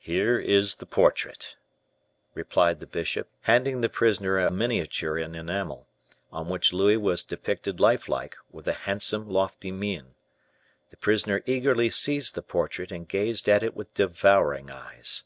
"Here is the portrait," replied the bishop, handing the prisoner a miniature in enamel, on which Louis was depicted life like, with a handsome, lofty mien. The prisoner eagerly seized the portrait, and gazed at it with devouring eyes.